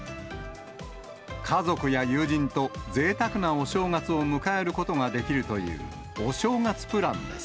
家族や友人とぜいたくなお正月を迎えることができるというお正月プランです。